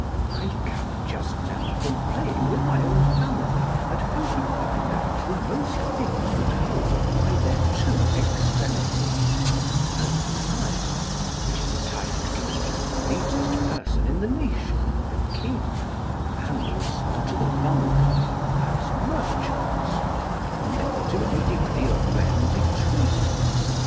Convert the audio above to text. I come just now from playing with my own family at who could find out the most things that hold by their two extremities; as Sire, which is a title given to the greatest person in the nation, the king, and also to the vulgar, as merchants, but never to any degree of men between.